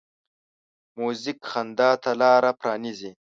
موزیک خندا ته لاره پرانیزي.